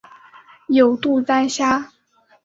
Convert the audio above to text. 有牡丹虾